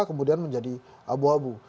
kemudian menjadi abu abu